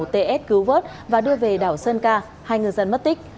ts cứu vớt và đưa về đảo sơn ca hai ngư dân mất tích